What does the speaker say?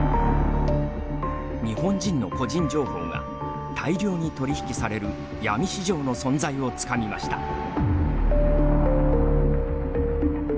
日本人の個人情報が大量に取り引きされる闇市場の存在をつかみました。